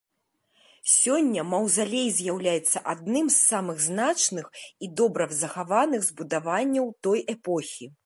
Сёння маўзалей з'яўляецца адным з самых значных і добра захаваных збудаванняў той эпохі.